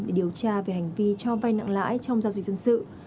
để điều tra về hành vi cho vay nặng lãi trong giao dịch dân sự